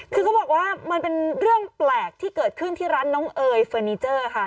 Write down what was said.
คือเขาบอกว่ามันเป็นเรื่องแปลกที่เกิดขึ้นที่ร้านน้องเอยเฟอร์นิเจอร์ค่ะ